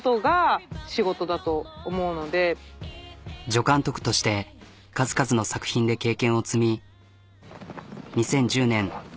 助監督として数々の作品で経験を積み２０１０年満島ひかり主演